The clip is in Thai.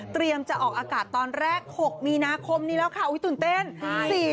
เตรียมจะออกอากาศตอนแรก๖มีนาคมนี้แล้วค่ะตื่นเต้น